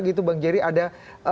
gitu bang jerry ada